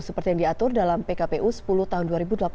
seperti yang diatur dalam pkpu sepuluh tahun dua ribu delapan belas